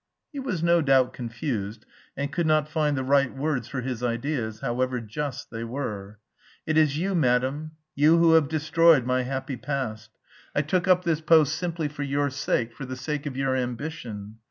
(He was no doubt confused and could not find the right words for his ideas, however just they were.) "It is you, madam, you who have destroyed my happy past. I took up this post simply for your sake, for the sake of your ambition....